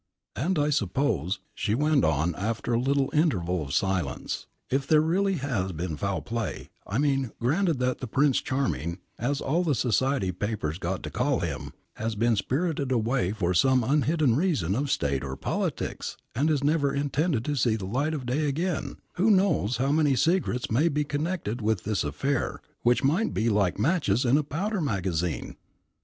And I suppose," she went on, after a little interval of silence, "if there really has been foul play I mean, granted that Prince Charming, as all the Society papers got to call him, has been spirited away for some hidden reason of State or politics and is never intended to see the light of day again, who knows how many secrets may be connected with this affair which might be like matches in a powder magazine?